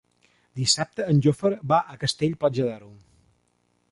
Dissabte en Jofre va a Castell-Platja d'Aro.